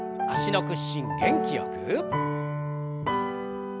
脚の屈伸元気よく。